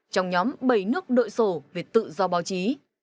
trong nhóm bảy nước đội sổ về tự do báo chí